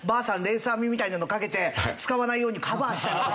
レース編みみたいなのかけて使わないようにカバーしたり。